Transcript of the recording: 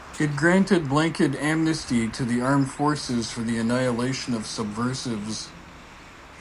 It granted blanket amnesty to the Armed Forces for the annihilation of subversives.